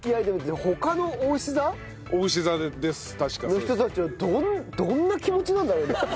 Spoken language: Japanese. の人たちはどんな気持ちなんだろうね。